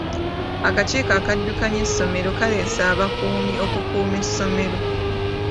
Akakiiko akaddukanya essomero kaaleese abakuumi okukuuma essomero.